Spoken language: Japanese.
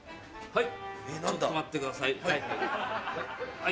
はい。